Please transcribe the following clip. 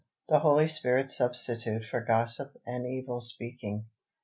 THE HOLY SPIRIT'S SUBSTITUTE FOR GOSSIP AND EVIL SPEAKING.